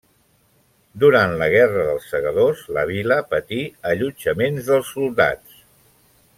Durant la Guerra dels Segadors la vila patí allotjaments dels soldats.